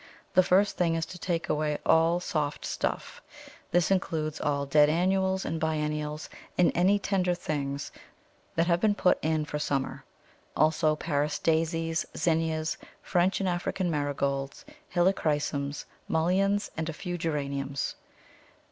The first thing is to take away all "soft stuff." This includes all dead annuals and biennials and any tender things that have been put in for the summer, also Paris Daisies, Zinnias, French and African Marigolds, Helichrysums, Mulleins, and a few Geraniums.